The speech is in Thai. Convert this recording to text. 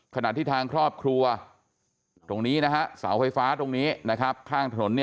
ขณะที่ทางครอบครัวสาวไฟฟ้าทางถนน